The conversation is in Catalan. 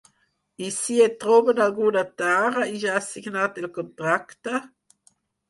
I si et troben alguna tara i ja has signat el contracte?